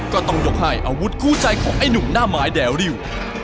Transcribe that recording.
ก็ต้องยกให้อาวุธคู่ใจของไอ้หนุ่มหน้าไม้แดริว